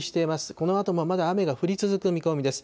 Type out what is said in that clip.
このあともまだ雨が降り続く見込みです。